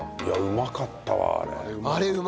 いやうまかったわあれ。